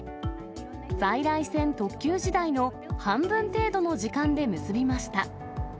在来線特急時代の半分程度の時間で結びました。